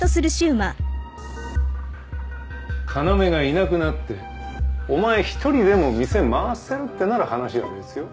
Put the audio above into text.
要がいなくなってお前１人でも店回せるってなら話は別よ？